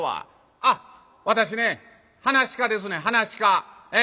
「あっ私ね噺家ですねん噺家。